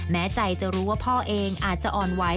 แม้ใจจะรู้ว่าพ่อเองอาจจะอ่อนไหว